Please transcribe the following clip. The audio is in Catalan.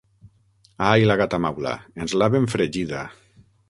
Ai, la gata maula: ens l'ha ben fregida!